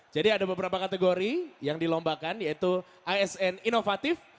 jadi ada beberapa kategori yang dilombakan yaitu asn inovatif